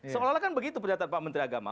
seolah olah kan begitu pernyataan pak menteri agama